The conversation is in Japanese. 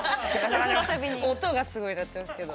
音がすごい鳴ってますけど。